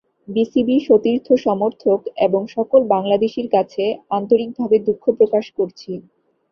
BCB, সতীর্থ, সমর্থক এবং সকল বাংলাদেশির কাছে আন্তরিকভাবে দুঃখ প্রকাশ করছি।